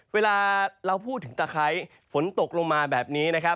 เวลาเราพูดถึงตะไครฝนตกลงมาแบบนี้